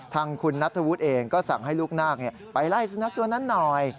ทางคุณนัทธวุฒิเองก็สั่งให้ลูกนาคไปไล่สุนัขตัวนั้นหน่อย